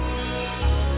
aku mau ke sana